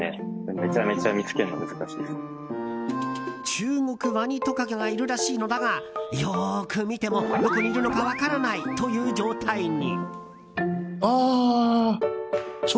チュウゴクワニトカゲがいるらしいのだがよく見ても、どこにいるのか分からないという状態に。